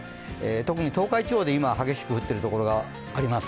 特に東海地方で今、激しく降っているところがあります。